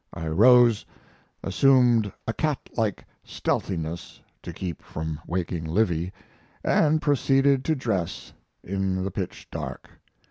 I rose, assumed a catlike stealthiness, to keep from waking Livy, and proceeded to dress in the pitch dark.